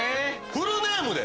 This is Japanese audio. フルネームで。